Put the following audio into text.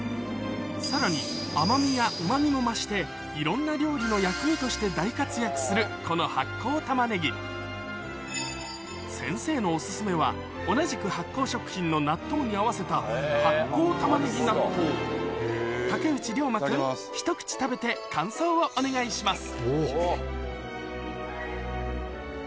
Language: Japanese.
さらに甘味や旨味も増していろんな料理の薬味として大活躍するこの発酵玉ねぎ先生のお薦めは同じく発酵食品の納豆に合わせた竹内涼真君ひと口食べて感想をお願いします